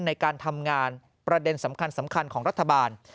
ในการทำงานประเด็นสำคัญของรัฐบาล